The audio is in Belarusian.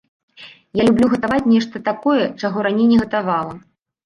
Я люблю гатаваць нешта такое, чаго раней не гатавала.